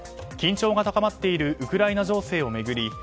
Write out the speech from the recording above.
緊張が高まっているウクライナ情勢を巡り